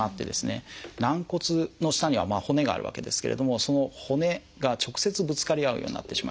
軟骨の下には骨があるわけですけれどもその骨が直接ぶつかり合うようになってしまいます。